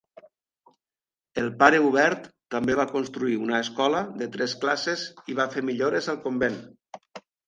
El pare Hubert també va construir una escola de tres classes i va fer millores al convent.